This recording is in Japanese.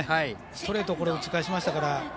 ストレート、打ち返しましたから。